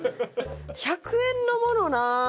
１００円のものな。